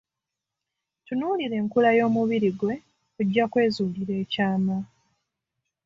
Tunuulira enkula y'omubiri gwe ojja kwezuulira ekyama.